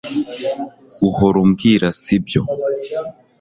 Uhora umbwira sibyo